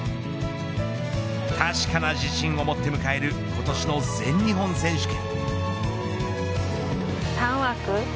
確かな自信を持って迎える今年の全日本選手権。